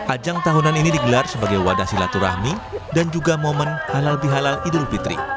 ajang tahunan ini digelar sebagai wadah silaturahmi dan juga momen halal bihalal idul fitri